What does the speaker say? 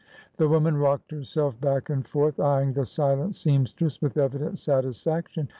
The woman rocked herself back and forth, eying the silent seamstress with evident satisfaction.